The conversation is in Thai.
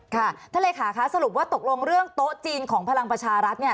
ท่านเลขาคะสรุปว่าตกลงเรื่องโต๊ะจีนของพลังประชารัฐเนี่ย